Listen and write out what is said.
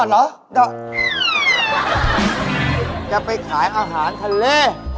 จะไปขายอาหารทะเล